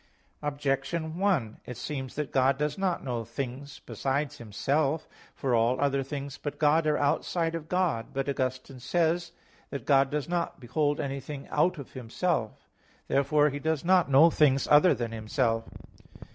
Objection 1: It seems that God does not know things besides Himself. For all other things but God are outside of God. But Augustine says (Octog. Tri. Quaest. qu. xlvi) that "God does not behold anything out of Himself." Therefore He does not know things other than Himself.